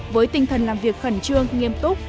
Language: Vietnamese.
với tinh thần làm việc khẩn trương nghiêm túc